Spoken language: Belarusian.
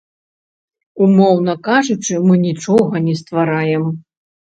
Умоўна кажучы, мы нічога не ствараем.